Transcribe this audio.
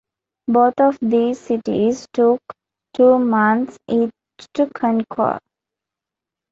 Both of these cities took two months each to conquer.